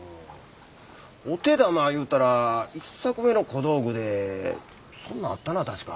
お手玉いうたら１作目の小道具でそんなんあったな確か。